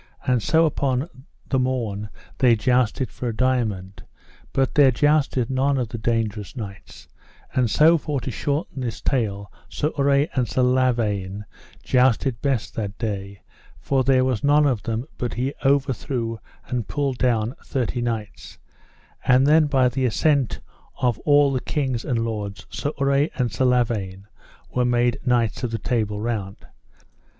And so upon the morn they jousted for a diamond, but there jousted none of the dangerous knights; and so for to shorten this tale, Sir Urre and Sir Lavaine jousted best that day, for there was none of them but he overthrew and pulled down thirty knights; and then by the assent of all the kings and lords, Sir Urre and Sir Lavaine were made knights of the Table Round.